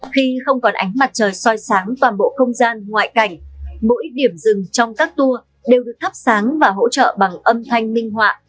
khi không còn ánh mặt trời soi sáng toàn bộ không gian ngoại cảnh mỗi điểm rừng trong các tour đều được thắp sáng và hỗ trợ bằng âm thanh minh họa